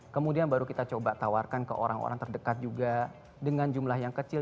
kemudian baru kita coba tawarkan ke orang orang terdekat juga dengan jumlah yang kecil